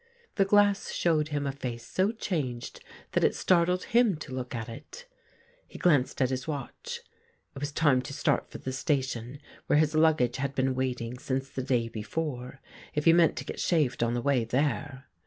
The glass showed him a face so changed that it startled him to look at it. He glanced at his watch — it was time to start for the station, where his luggage had been waiting since the day before, if he meant to get shaved on the way there.